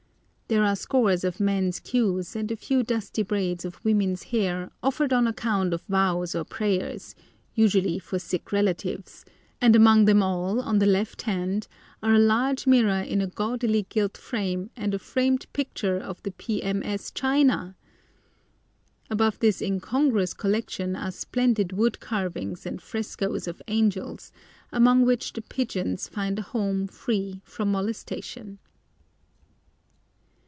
There are scores of men's queues and a few dusty braids of women's hair offered on account of vows or prayers, usually for sick relatives, and among them all, on the left hand, are a large mirror in a gaudily gilt frame and a framed picture of the P. M. S. China! Above this incongruous collection are splendid wood carvings and frescoes of angels, among which the pigeons find a home free from molestation.